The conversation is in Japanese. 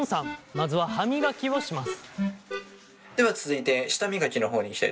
まずは歯磨きをします。